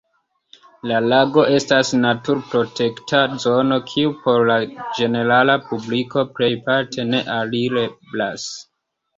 La lago estas naturprotekta zono, kiu por la ĝenerala publiko plejparte ne alireblas.